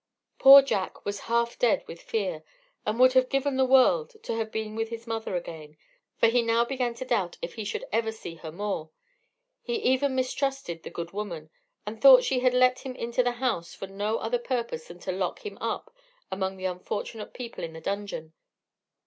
Poor Jack was half dead with fear, and would have given the world to have been with his mother again, for he now began to doubt if he should ever see her more; he even mistrusted the good woman, and thought she had let him into the house for no other purpose than to lock him up among the unfortunate people in the dungeon.